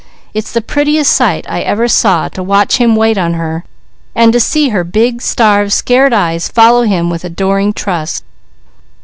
"It's the prettiest sight I ever saw to watch him wait on her, and to see her big, starved, scared eyes follow him with adoring trust."